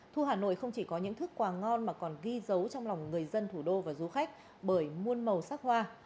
thu hà nội không chỉ có những thức quà ngon mà còn ghi dấu trong lòng người dân thủ đô và du khách bởi muôn màu sắc hoa